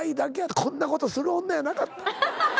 こんなことする女やなかった。